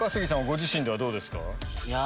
ご自身ではどうですか？